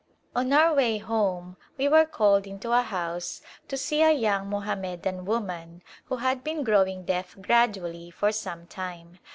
On our way home we were called into a house to see a young Mohammedan woman who had been grow ing deaf gradually for some time.